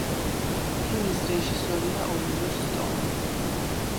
ფილმის რეჟისორია ოლივერ სტოუნი.